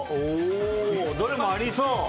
どれもありそう！